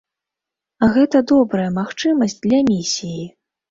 Гэта добрая магчымасць для місіі.